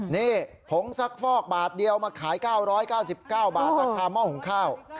นี่ผงซักฟอกบาทเดียวมาขาย๙๙๙บาทราคาหม้อหุงข้าว